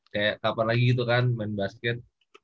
kayak kapan lagi gitu kan main basket